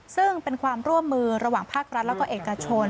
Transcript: ซึ่งเป็นความร่วมมือระหว่างภาครัฐแล้วก็เอกชน